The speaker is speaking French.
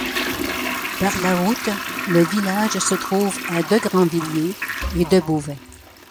Par la route, le village se trouve à de Grandvilliers et de Beauvais.